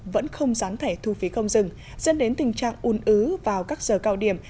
vẫn không gián thẻ thu phí không dừng dẫn đến tình trạng un ứ vào các giờ cao điểm